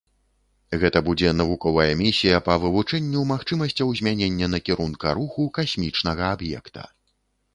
Гэта будзе навуковая місія па вывучэнню магчымасцяў змянення накірунка руху касмічнага аб'екта.